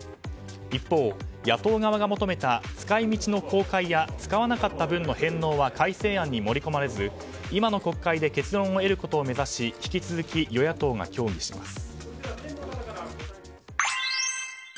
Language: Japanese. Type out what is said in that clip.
一方、野党側が求めた使い道の公開や使わなかった分の返納は改正案に盛り込まれず今の国会で結論を得ることを目指し引き続き与野党が協議します。